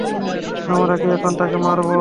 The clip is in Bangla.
আমরা কি এখন তাকে মারব?